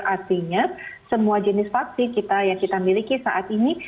artinya semua jenis vaksin kita yang kita miliki saat ini